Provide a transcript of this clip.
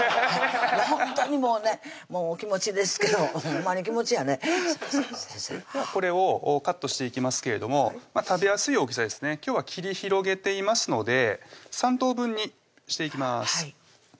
ほんとにもうねもう気持ちですけどほんまに気持ちやねではこれをカットしていきますけれども食べやすい大きさですね今日は切り広げていますので３等分にしていきますはい